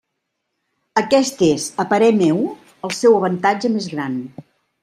Aquest és, a parer meu, el seu avantatge més gran.